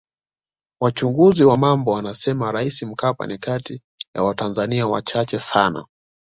Wachunguzi wa mambo wanasema Rais Mkapa ni kati ya watanzania wachache sana